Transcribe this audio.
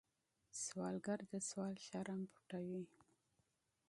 سوالګر د سوال شرم پټوي